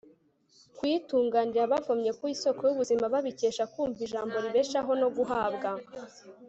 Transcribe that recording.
kuyitunganira. bavomye ku isoko y'ubuzima babikesha kumva ijambo ribeshaho no guhabwa